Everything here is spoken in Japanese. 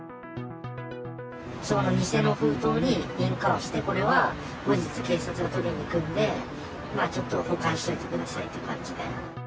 偽の封筒に印鑑を押して、これは後日、警察が取りに来るんで、ちょっと保管しておいてくださいという感じで。